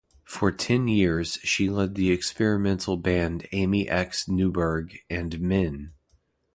For ten years she led the experimental band Amy X Neuburg and Men.